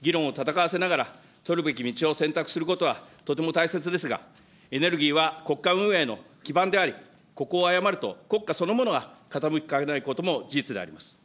議論を戦わせながら、取るべき道を選択することはとても大切ですが、エネルギーは国家運営の基盤であり、ここを誤ると、国家そのものが傾きかねないことも事実であります。